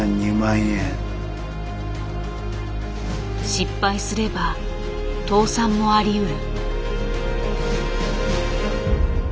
失敗すれば倒産もありうる。